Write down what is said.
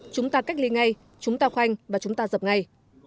chúng ta cách ly ngay chúng ta khoanh và chúng ta dập ngay